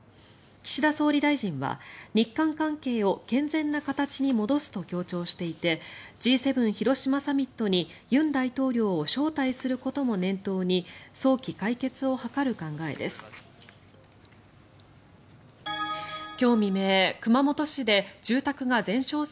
岸田総理大臣は、日韓関係を健全な形に戻すと強調していてＧ７広島サミットに尹大統領を招待することも念頭に早期解決を図る考えです。